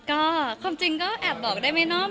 ก็ความจริงก็แอบบอกได้ไหมเนาะ